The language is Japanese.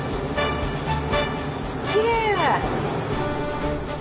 きれい！